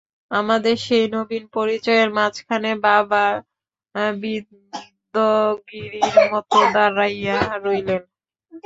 আমাদের সেই নবীন পরিচয়ের মাঝখানে বাবা বিন্ধ্যগিরির মতো দাঁড়াইলেন।